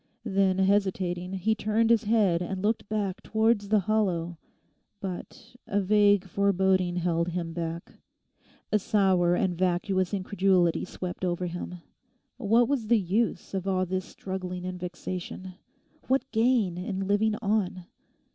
Then, hesitating, he turned his head and looked back towards the hollow. But a vague foreboding held him back. A sour and vacuous incredulity swept over him. What was the use of all this struggling and vexation. What gain in living on?